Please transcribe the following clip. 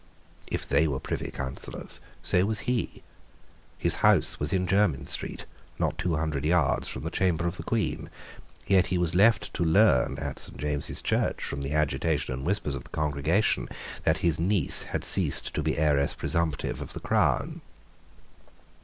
If they were Privy Councillors, so was he. His house was in Jermyn Street, not two hundred yards from the chamber of the Queen. Yet he was left to learn at St. James's Church, from the agitation and whispers of the congregation, that his niece had ceased to be heiress presumptive of the crown.